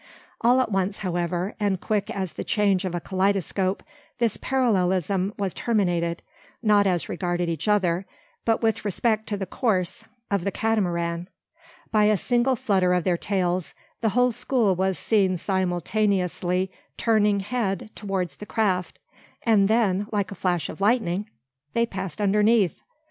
All at once, however, and quick as the change of a kaleidoscope, this parallelism was terminated, not as regarded each other, but with respect to the course of the Catamaran By a single flutter of their tails, the whole school was seen simultaneously turning head towards the craft; and then, like a flash of lightning, they passed underneath.